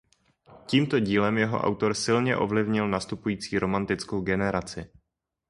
Tímto dílem jeho autor silně ovlivnil nastupující romantickou generaci.